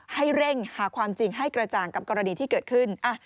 ให้เร่งหาความจริงให้กระจ่างกับกรณีที่เกิดขึ้น